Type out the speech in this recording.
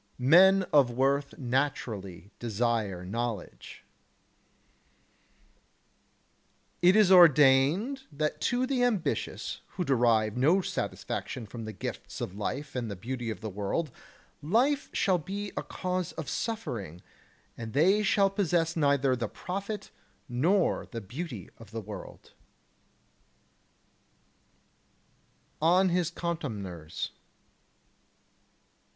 8. Men of worth naturally desire knowledge. 9. It is ordained that to the ambitious, who derive no satisfaction from the gifts of life and the beauty of the world, life shall be a cause of suffering, and they shall possess neither the profit nor the beauty of the world. [Sidenote: On his Contemners] 10.